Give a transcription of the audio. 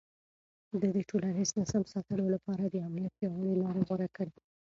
ده د ټولنيز نظم ساتلو لپاره د امنيت پياوړې لارې غوره کړې.